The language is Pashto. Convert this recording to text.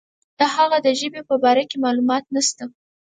د هغه د ژبې په باره کې معلومات نشته.